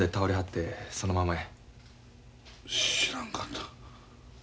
知らんかった。